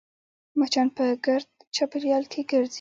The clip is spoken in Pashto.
مچان په ګرد چاپېریال کې ګرځي